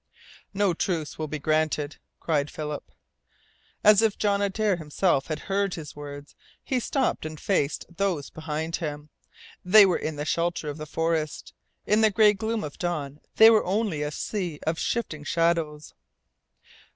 "No truce will be granted!" cried Philip. As if John Adare himself had heard his words, he stopped and faced those behind him. They were in the shelter of the forest. In the gray gloom of dawn they were only a sea of shifting shadows.